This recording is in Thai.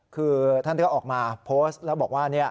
คือท่านก็ออกมาโพสต์แล้วบอกว่า